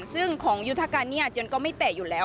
ซึ่งของยุทธการเนี่ยเจียนก็ไม่เตะอยู่แล้ว